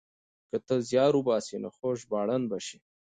که ته زيار وباسې نو ښه ژباړن به شې.